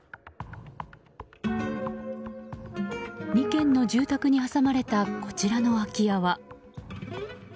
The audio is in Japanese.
２軒の住宅に挟まれたこちらの空き家は。